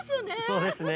そうですね。